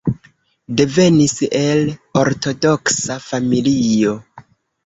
Devenis el ortodoksa familio.